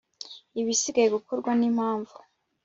ibisigaye gukorwa n impamvu